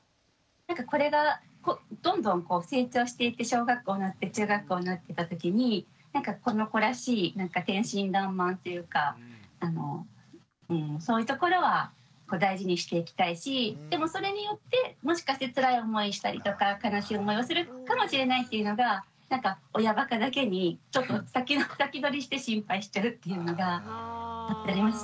なんかこれがどんどん成長していって小学校になって中学校になっていったときになんかこの子らしい天真爛漫っていうかそういうところは大事にしていきたいしでもそれによってもしかしてつらい思いしたりとか悲しい思いをするかもしれないっていうのがなんか親バカだけにちょっと先取りして心配しちゃうっていうのがあったりもします。